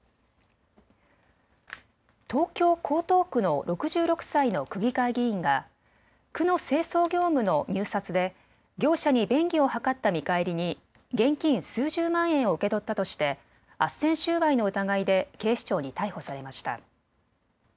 東京江東区の６６歳の区議会議員が区の清掃業務の入札で業者に便宜を図った見返りに現金数十万円を受け取ったとしてあっせん収賄の疑いで警視庁に逮捕されました。